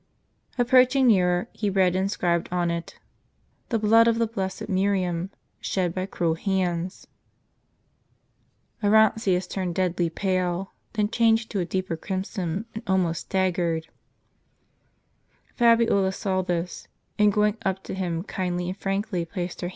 Approaching nearer, he read inscribed on it :" The blood or the blessed Miriam, shed by cruel HANDS !" Orontius turned deadly pale; then changed to a deep crimson ; and almost staggered. Fabiola saw this, and going up to him kindly and frankly, placed her.